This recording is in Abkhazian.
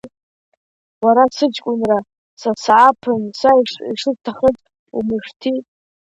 Уара сыҷкәынра, са сааԥын, са ишысҭахыз умышәҭи!